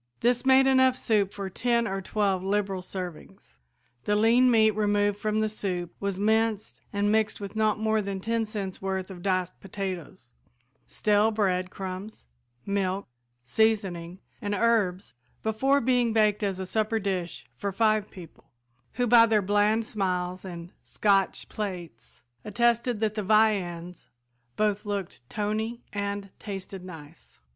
This made enough soup for ten or twelve liberal servings. The lean meat removed from the soup was minced and mixed with not more than ten cents' worth of diced potatoes, stale bread crumbs, milk, seasoning and herbs before being baked as a supper dish for five people, who by their bland smiles and "scotch plates" attested that the viands both looked "tony" and tasted nice.